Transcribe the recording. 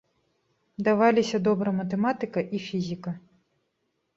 Даваліся добра матэматыка і фізіка.